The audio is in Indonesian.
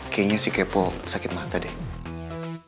kayaknya si kepo sakit mata deh